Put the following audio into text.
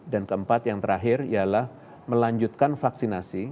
dan keempat yang terakhir yalah melanjutkan vaksinasi